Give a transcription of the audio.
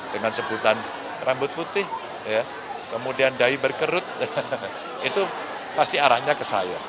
dengan sebutan rambut putih kemudian dai berkerut itu pasti arahnya ke saya